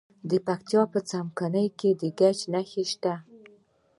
د پکتیا په څمکنیو کې د ګچ نښې شته.